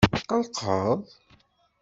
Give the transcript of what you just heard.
Tqelqeḍ?